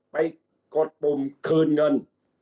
กดปุ่มคืนเงิน